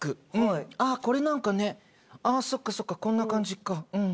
あぁこれなんかねあぁそっかそっかこんな感じかうん。